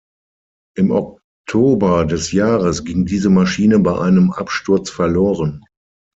Im Oktober des Jahres ging diese Maschine bei einem Absturz verloren.